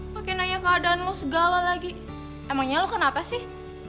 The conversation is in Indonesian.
pakai nanya keadaanmu segala lagi emangnya lo kenapa sih